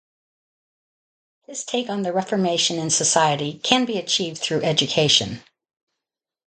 His take on the reformation in society can be achieved through education.